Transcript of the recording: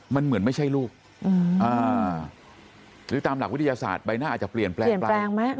มันเหมือนไม่ใช่ลูกหรือตามหลักวิทยาศาสตร์ใบหน้าอาจจะเปลี่ยนแปลง